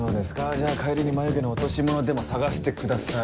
じゃあ帰りに眉毛の落し物でも捜してください。